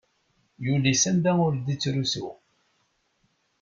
Yuli s anda ur d-ittrusu.